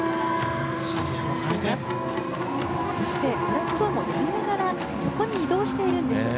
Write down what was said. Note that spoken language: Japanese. プラットフォームをやりながら横に移動しているんですよ。